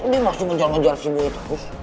dia masih menjar menjar si boy terus